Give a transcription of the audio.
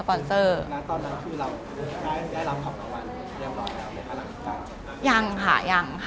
และตอนนั้นคือเราได้รับของรางวัลเรียบร้อยละ